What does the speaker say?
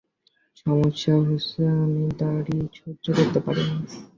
সমস্যা হচ্ছে, আমি দাড়ি সহ্য করতে পারি না।